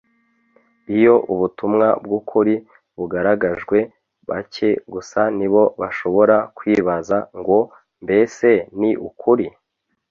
Iyo ubutumwa bw'ukuri bugaragajwe bake gusa ni bo bashobora kwibaza ngo : Mbese ni ukuri ?